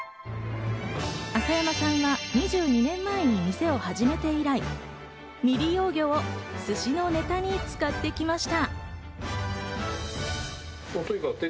朝山さんは２２年前に店を始めて以来、未利用魚を寿司のネタに使ってきました。